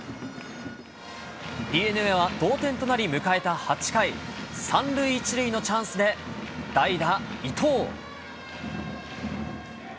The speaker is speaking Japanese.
ＤｅＮＡは同点となり、迎えた８回、３塁１塁のチャンスで代打、伊藤。